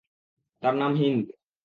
তাঁর নাম হিন্দ।